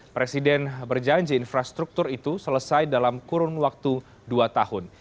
presiden berjanji infrastruktur itu selesai dalam kurun waktu dua tahun